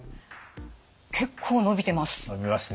結構伸びてます。